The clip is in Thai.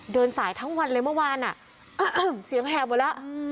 เดินสายทั้งวันเลยเมื่อวานเสียงแหบหมดแล้ว